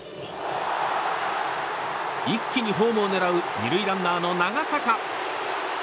一気にホームを狙う２塁ランナーの長坂。